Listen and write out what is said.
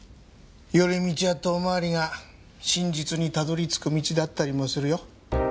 寄り道や遠回りが真実に辿り着く道だったりもするよ。